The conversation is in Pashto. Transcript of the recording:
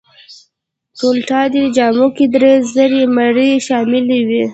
ټولټال دې جامو کې درې زره مرۍ شاملې وې.